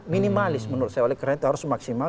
minimalis menurut saya